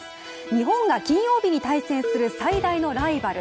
日本が金曜日に対戦する最大のライバル